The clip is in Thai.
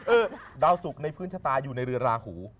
ดาวสุกในพื้นชะตาอยู่ในเรือราหู